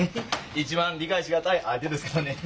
一番理解し難い相手ですからね。